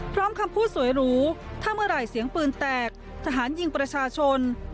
คำพูดสวยหรูถ้าเมื่อไหร่เสียงปืนแตกทหารยิงประชาชน